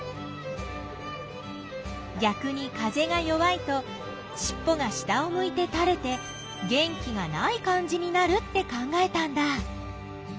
ぎゃくに風が弱いとしっぽが下をむいてたれて元気がない感じになるって考えたんだ。